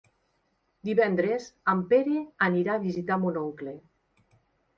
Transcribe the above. Divendres en Pere anirà a visitar mon oncle.